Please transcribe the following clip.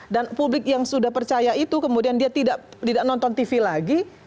dan publik yang sudah percaya itu kemudian dia tidak nonton tv lagi